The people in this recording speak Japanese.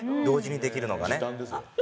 同時にできるのがね。